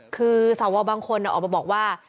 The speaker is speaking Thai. คือสวบางคนออกมาบอกว่า